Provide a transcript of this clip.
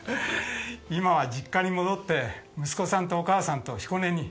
今は実家に戻って息子さんとお母さんと彦根に。